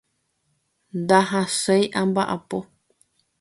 Ndahaséi amba'apo.